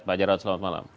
pak jarot selamat malam